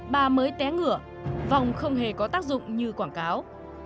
bà mới té ngửa vòng không hề có tác dụng như quảng cáo